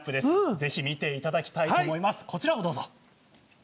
ぜひ見ていただきたいと思います。